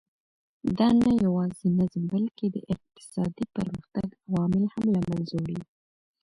دا نه یوازې نظم بلکې د اقتصادي پرمختګ عوامل هم له منځه وړي.